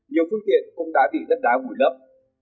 nhiều thương thiện cũng đã bị đất đá bùi lấp